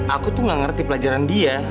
aku tuh gak ngerti pelajaran dia